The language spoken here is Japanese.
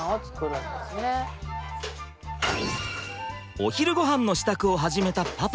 お昼ごはんの支度を始めたパパ。